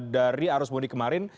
dari arus mudik kemarin